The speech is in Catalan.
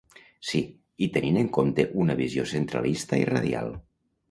Sí, i tenint en compte una visió centralista i radial.